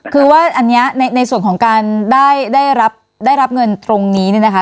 คือว่าอันนี้ในส่วนของการได้รับเงินตรงนี้เนี่ยนะคะ